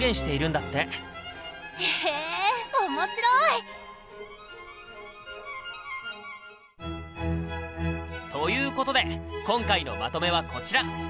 へえ面白い！ということで今回のまとめはこちら！